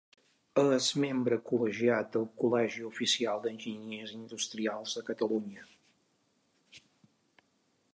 És membre col·legiat del Col·legi Oficial d'Enginyers Industrials de Catalunya.